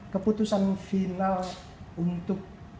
keputusan final untuk